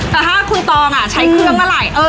แต่ถ้าคุณตองใช้เครื่องเมื่อไหร่